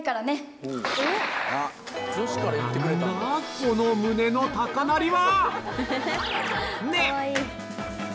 この胸の高鳴りは！